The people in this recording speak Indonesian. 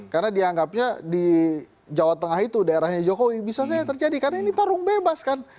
karena dianggapnya di jawa tengah itu daerahnya jokowi bisa saja terjadi karena ini tarung bebas kan